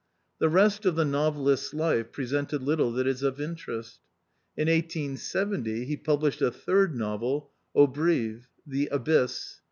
The rest of the novelist's life presented little that is of interest. In 1870, he published a third novel, ^Obryv ("The Abyss").